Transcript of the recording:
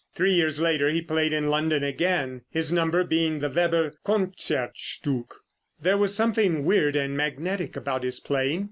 Three years later he played in London again, his number being the Weber Concertstück. There was something weird and magnetic about his playing.